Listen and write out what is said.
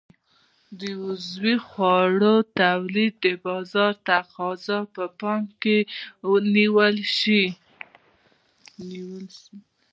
د عضوي خوړو تولید د بازار تقاضا په پام کې نیول شي.